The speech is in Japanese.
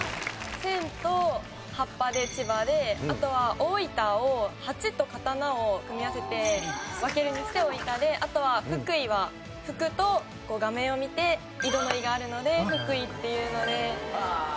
「千」と「葉っぱ」で千葉であとは大分を「八」と「刀」を組み合わせて「分ける」にして大分であとは福井は「福」と画面を見て井戸の「井」があるので福井っていうので。